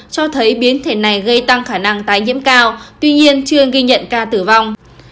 cho thấy biến thể này gây tăng khả năng tái nhiễm cao tuy nhiên chưa ghi nhận ca tử vong